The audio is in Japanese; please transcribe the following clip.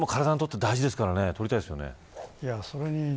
生鮮野菜、体にとって大事ですからとりたいですよね。